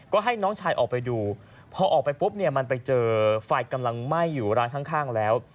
ก็ให้น้องชายออกไปดูพอออกไปปุ๊บเนี่ยมันไปเจอไฟกำลังไหม้อยู่ร้านข้างแล้ว